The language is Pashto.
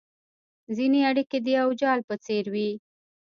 ځیني اړیکي د یو جال په څېر وي